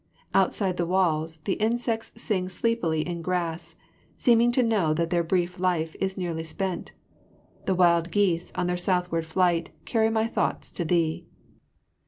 Outside the walls the insects sing sleepily in grass, seeming to know that their brief life is nearly spent. The wild geese on their southward flight carry my thoughts to thee.